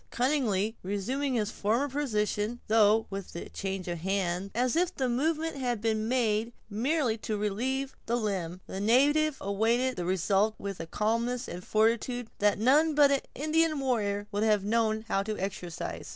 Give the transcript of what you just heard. Cunningly resuming his former position, though with a change of hands, as if the movement had been made merely to relieve the limb, the native awaited the result with a calmness and fortitude that none but an Indian warrior would have known how to exercise.